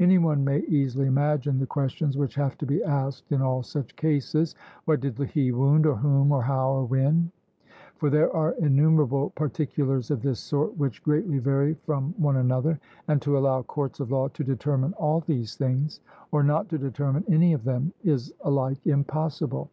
Any one may easily imagine the questions which have to be asked in all such cases: What did he wound, or whom, or how, or when? for there are innumerable particulars of this sort which greatly vary from one another. And to allow courts of law to determine all these things, or not to determine any of them, is alike impossible.